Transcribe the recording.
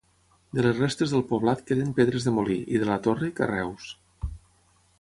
De les restes del poblat queden pedres de molí, i de la torre, carreus.